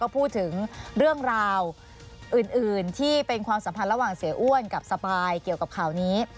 พูดถึงเรื่องราวอื่นที่เป็นความสัมพันธ์ระหว่างเสียอ้วนกับสปายเกี่ยวกับข่าวนี้